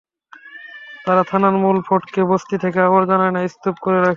তারা থানার মূল ফটকে বস্তি থেকে আবর্জনা এনে স্তূপ করে রাখে।